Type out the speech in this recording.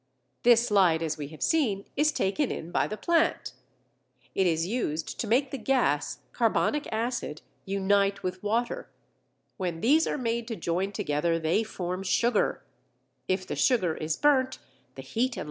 This light, as we have seen, is taken in by the plant. It is used to make the gas, carbonic acid, unite with water: when these are made to join together, they form sugar; if the sugar is burnt the heat and light appear again.